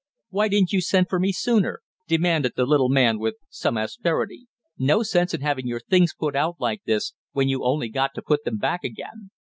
"Why didn't you send for me sooner?" demanded the little man with some asperity. "No sense in having your things put out like this when you only got to put them back again!"